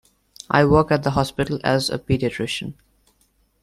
I work at the hospital as a paediatrician.